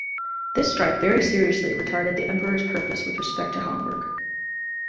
This strife very seriously retarded the emperor's purpose with respect to Hamburg.